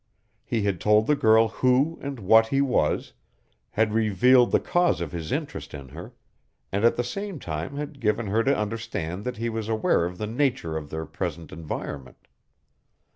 He had told the girl who and what he was, had revealed the cause of his interest in her, and at the same time had given her to understand that he was aware of the nature of their present environment.